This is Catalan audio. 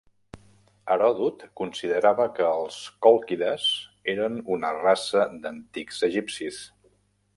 Heròdot considerava que els còlquides eren una raça d'antics egipcis.